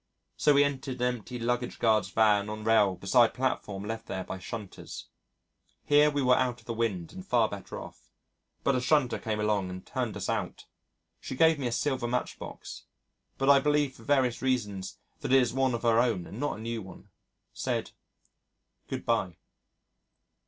So we entered an empty luggage guard's van on rail beside platform left there by shunters. Here we were out of the wind and far better off. But a shunter came along and turned us out. She gave me a silver match box. But I believe for various reasons that it is one of her own and not a new one. Said "Good bye."